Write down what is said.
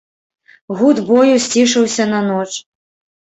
Гуд бою сцішыўся на ноч.